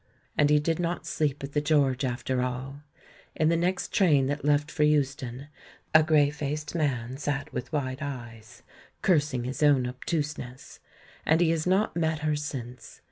And he did not sleep at the George after all; in the next train that left for Euston, a grey faced man sat with wide eyes, cursing his own obtuseness. And he has not met her since.